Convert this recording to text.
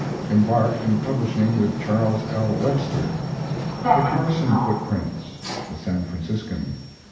Embarked in publishing with Charles L. Webster. THE CARSON FOOTPRINTS the San Franciscan.